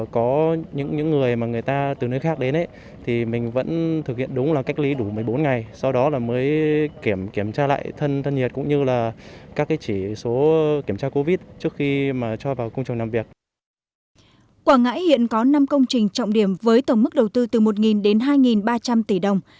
quảng ngãi hiện có năm công trình trọng điểm với tổng mức đầu tư từ một đến hai ba trăm linh tỷ đồng